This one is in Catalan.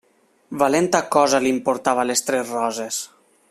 Valenta cosa li importava Les Tres Roses!